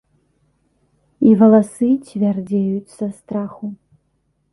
І валасы цвярдзеюць са страху.